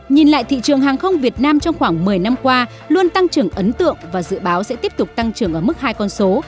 nhìn lại thị trường hàng không việt nam trong khoảng một mươi năm qua luôn tăng trưởng ấn tượng và dự báo sẽ tiếp tục tăng trưởng ở mức hai con số